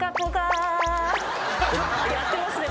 やってますね。